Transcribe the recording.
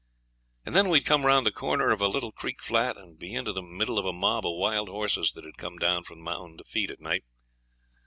And then we'd come round the corner of a little creek flat and be into the middle of a mob of wild horses that had come down from the mountain to feed at night.